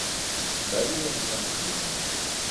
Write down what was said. Далі яны нам хлеба.